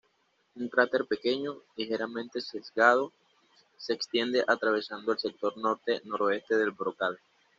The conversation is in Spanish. Un cráter pequeño, ligeramente sesgado, se extiende atravesando el sector norte-noroeste del brocal.